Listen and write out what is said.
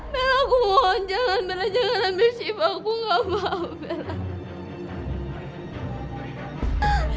bella aku mohon jangan bella jangan ambil siva aku gak mau bella